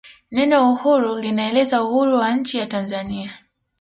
neno uhuru linaeleza uhuru wa nchi ya tanzania